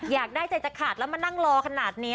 อยากได้ใจจะขาดแล้วมานั่งรอขนาดนี้